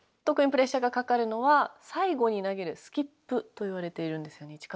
特にプレッシャーがかかるのは最後に投げるスキップと言われているんですよね。